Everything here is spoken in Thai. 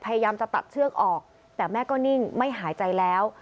พยายามจะตัดเชือกออกแต่แม่ก็นิ่งไม่หายใจแล้ว